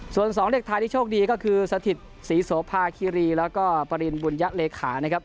ส่วนสองเด็กไทยที่โชคดีก็คือสถิตศรีโสภาคิรีแล้วก็ปริณบุญยะเลขานะครับ